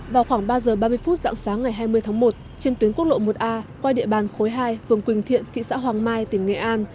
vào khoảng ba giờ ba mươi phút dạng sáng ngày hai mươi tháng một trên tuyến quốc lộ một a qua địa bàn khối hai phường quỳnh thiện thị xã hoàng mai tỉnh nghệ an